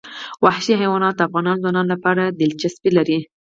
وحشي حیوانات د افغان ځوانانو لپاره دلچسپي لري.